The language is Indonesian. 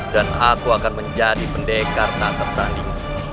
dan aku akan menjadi pendekar tak tertarik